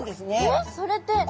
えっそれって。